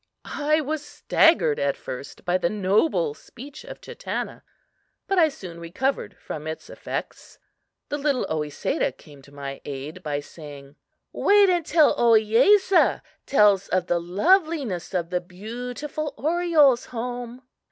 I was staggered at first by the noble speech of Chatannna, but I soon recovered from its effects. The little Oesedah came to my aid by saying: "Wait until Ohiyesa tells of the loveliness of the beautiful Oriole's home!"